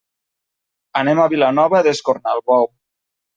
Anem a Vilanova d'Escornalbou.